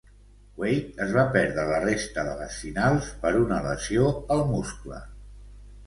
Weight es va perdre la resta de les Finals per una lesió al muscle.